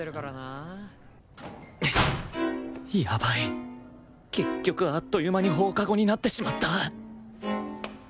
やばい結局あっという間に放課後になってしまった